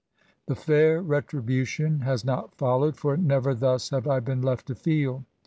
The fair retribution has not followed, for never thus have I been left to feel.